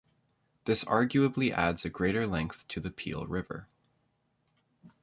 This arguably adds a greater length to the Peel River.